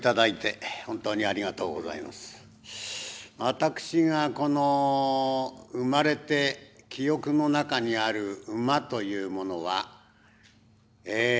私がこの生まれて記憶の中にある馬というものはえ